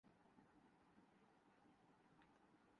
اس میں دوسرے نقطہ ہائے نظر کو قبول کیا جاتا ہے۔